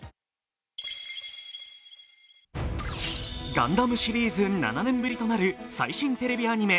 「ガンダム」シリーズ７年ぶりとなる最新テレビアニメ